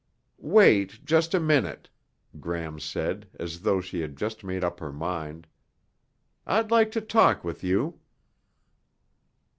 "Wait just a minute," Gram said as though she had just made up her mind, "I'd like to talk with you."